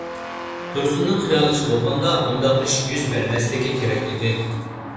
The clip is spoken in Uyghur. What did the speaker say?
تۇرسۇننىڭ خىيالىچە بولغاندا بۇنداق ئىش يۈز بەرمەسلىكى كېرەك ئىدى.